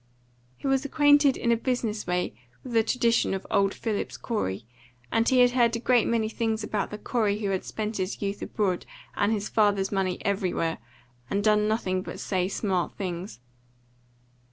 He was acquainted in a business way with the tradition of old Phillips Corey, and he had heard a great many things about the Corey who had spent his youth abroad and his father's money everywhere, and done nothing but say smart things.